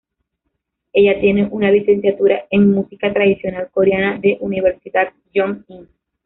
Ella tiene una licenciatura en música tradicional coreana de Universidad Yong-In.